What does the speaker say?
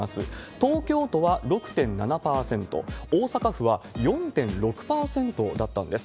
東京都は６．７％、大阪府は４．６％だったんです。